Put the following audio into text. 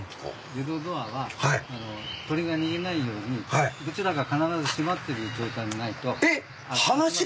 自動ドアは鳥が逃げないようにどちらか必ず閉まってる状態じゃないと開きません。